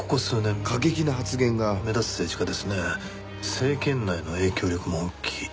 政権内の影響力も大きい。